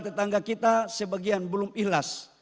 tetangga kita sebagian belum ikhlas